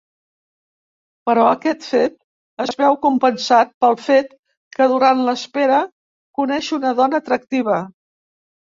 Però aquest fet es veu compensat pel fet que durant l'espera coneix una dona atractiva.